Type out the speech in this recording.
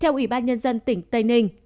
theo ủy ban nhân dân tỉnh tây ninh